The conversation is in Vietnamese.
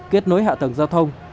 kết nối hạ tầng giao thông